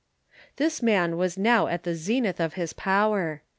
This man was now at the zenith of his power.